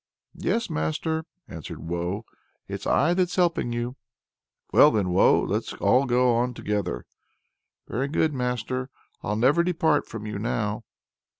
"Yes, master," answered Woe: "it's I that's helping you." "Well then, Woe! let's all go on together." "Very good, master! I'll never depart from you now."